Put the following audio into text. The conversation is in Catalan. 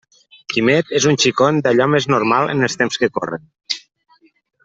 Quimet és un xicon d'allò més normal en els temps que corren.